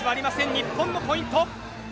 日本のポイント。